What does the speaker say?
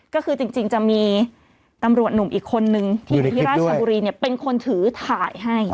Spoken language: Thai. ก็คือจริงจริงจะมีตำรวจหนุ่มอีกคนนึงอยู่ในคลิปด้วยที่ราชบุรีเนี้ยเป็นคนถือถ่ายให้